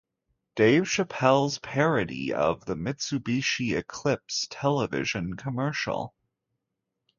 Dave Chappelle's parody of the Mitsubishi Eclipse television commercial.